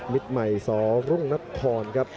มิตก่อนีใหม่สองรุ่นนทคนน์ครับ